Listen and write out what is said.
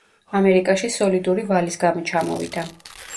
ამერიკაში სოლიდური ვალის გამო ჩამოვიდა.